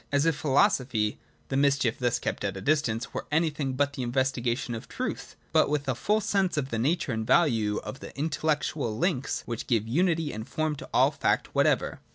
as if philosophy — the mischief thus kept at a distance — were anything but the investigation of Truth, but with a full sense of the nature and value of the intellectual links which give unity and form to all fact whatever.'